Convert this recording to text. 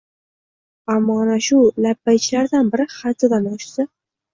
Ammo, ana shu labbaychilardan biri haddidan oshsa